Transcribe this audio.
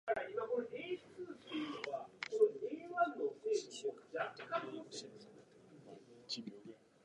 宮城県丸森町